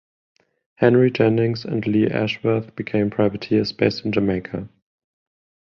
Henry Jennings and Leigh Ashworth became privateers based in Jamaica.